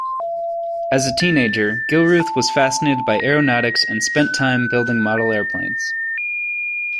As a teenager, Gilruth was fascinated by aeronautics and spent time building model airplanes.